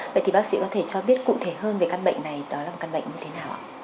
vậy thì bác sĩ có thể cho biết cụ thể hơn về căn bệnh này đó là một căn bệnh như thế nào ạ